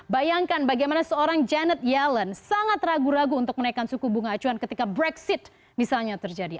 bayangkan bagaimana seorang janet yellen sangat ragu ragu untuk menaikkan suku bunga acuan ketika brexit misalnya terjadi